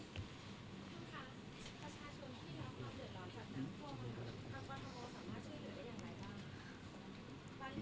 คุณค่ะประชาชนที่รับความเหลือร้อนจากน้ำพ่อมัน